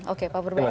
oke pak purwakar